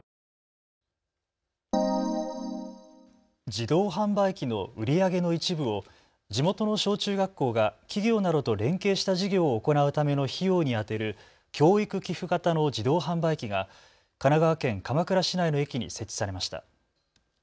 自動販売機の売り上げの一部を地元の小中学校が企業などと連携した授業を行うための費用に充てる教育寄付型の自動販売機が神奈川県鎌倉市内の駅に設置されました。